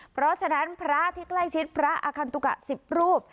เพราะฉะนั้นพระที่ใกล้ชิดพระอคันตุกะ๑๐รูป